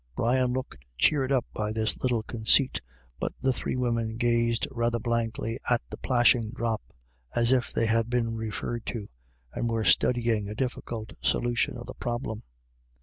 Brian looked cheered up by his little conceit, but the three women gazed rather blankly 8 98 IRISH IDYLLS. at the plashing drop, as if they had been referred to, and were studying, a difficult solution of the problem.